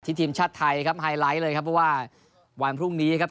ทีมชาติไทยครับไฮไลท์เลยครับเพราะว่าวันพรุ่งนี้ครับ